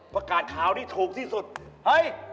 พักตำจืดขาวที่ถูกที่สุดเห้ย